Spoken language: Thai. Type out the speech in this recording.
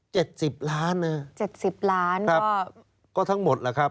เจ็ดสิบล้านน่ะเจ็ดสิบล้านครับก็ทั้งหมดล่ะครับ